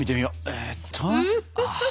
えっと。